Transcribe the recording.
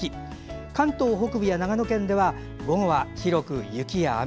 関東北部や長野県では午後は広く雪や雨。